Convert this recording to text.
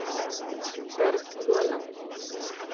درس لولم.